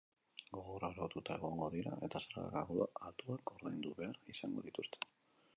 Gogor araututa egongo dira eta zerga altuak ordaindu behar izango dituzte.